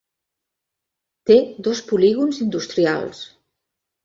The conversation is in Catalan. Té dos polígons industrials.